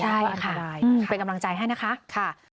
ใช่ค่ะเป็นกำลังใจให้นะคะ